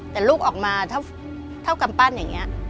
แต่ลูกออกมาเท่ากำปั้นอย่างนี้